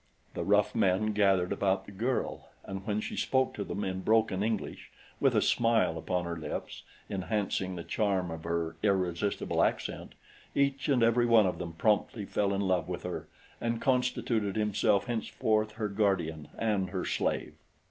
The rough men gathered about the girl, and when she spoke to them in broken English, with a smile upon her lips enhancing the charm of her irresistible accent, each and every one of them promptly fell in love with her and constituted himself henceforth her guardian and her slave.